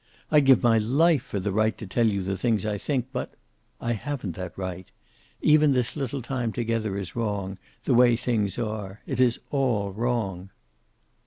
I'd give my life for the right to tell you the things I think, but I haven't that right. Even this little time together is wrong, the way things are. It is all wrong."